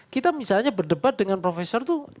kita misalnya berdebat dengan profesor itu